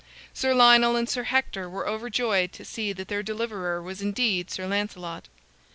Sir Lionel and Sir Hector were overjoyed to see that their deliverer was indeed Sir Lancelot.